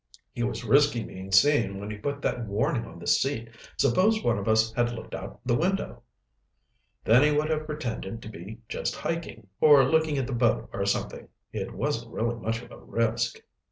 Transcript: "He was risking being seen when he put that warning on the seat. Suppose one of us had looked out the window?" "Then he would have pretended to be just hiking, or looking at the boat or something. It wasn't really much of a risk."